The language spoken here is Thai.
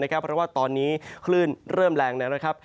เพราะว่าตอนนี้คลื่นเริ่มแรงแล้วนะครับ